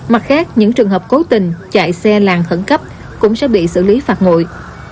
mặt khác những trường hợp cố tình chạy xe làng khẩn cấp cũng sẽ bị xử lý phạt nguội